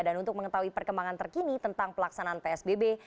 dan untuk mengetahui perkembangan terkini tentang pelaksanaan psbb